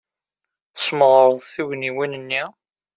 Tesmeɣreḍ tugniwin-nni.